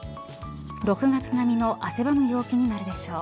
６月並みの汗ばむ陽気になるでしょう。